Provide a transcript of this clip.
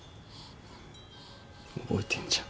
覚えてんじゃん。